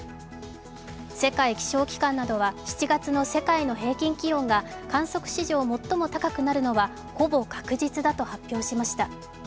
世界気象機関などは７月の世界の平均気温が観測史上最も高くなるのはほぼ確実だと発表しました。